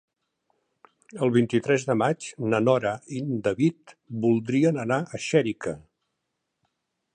El vint-i-tres de maig na Nora i en David voldrien anar a Xèrica.